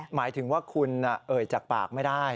หมายถึงว่าคุณเอ่ยจากปากไม่ได้